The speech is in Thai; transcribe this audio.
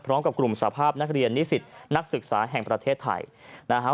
พร้อมกับกลุ่มสภาพนักเรียนนิสิตนักศึกษาแห่งประเทศไทยนะฮะ